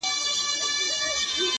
اچولی یې پر سر شال د حیا دی-